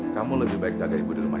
kamu lebih baik jaga ibu di rumah